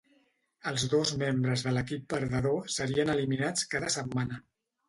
Els dos membres de l'equip perdedor serien eliminats cada setmana.